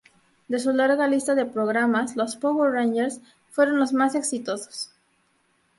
De su larga lista de programas, los Power Rangers fueron los más exitosos.